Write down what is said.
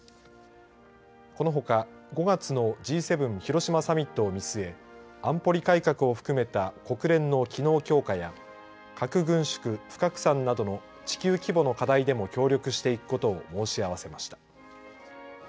このほか、５月のＧ７広島サミットを見据え安保理改革を含めた国連の機能強化や核軍縮・不拡散などの地球規模の課題でも協力していくことを申し合わせました。